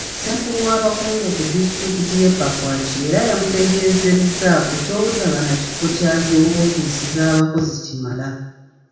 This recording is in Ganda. Ssenkulu w'abakungu ku disitulikiti y'e Pakwach era yamutegeeza ku ky'obutaba na kifo kya zi woofiisi z'abakozi kimala.